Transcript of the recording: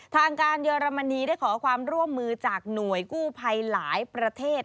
ทางการเยอรมนีได้ขอความร่วมมือจากหน่วยกู้ภัยหลายประเทศ